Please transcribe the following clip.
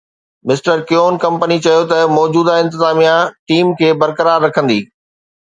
mister Kevin company چيو ته موجوده انتظاميا ٽيم کي برقرار رکندي